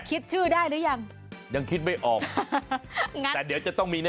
คิดชื่อได้หรือยังยังคิดไม่ออกไงแต่เดี๋ยวจะต้องมีแน่